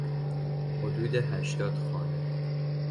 حدود هشتاد خانه